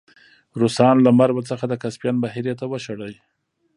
روسان له مرو څخه د کسپین بحیرې ته وشړی.